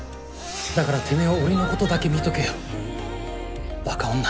だからてめえは俺のことだけ見とけよバカ女